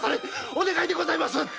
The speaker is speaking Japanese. お願いでございます。